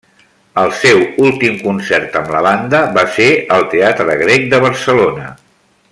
El seu últim concert amb la banda va ser al Teatre Grec de Barcelona.